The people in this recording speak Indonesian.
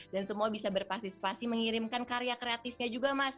dan semua bisa berpartisipasi mengirimkan karya kreatifnya juga mas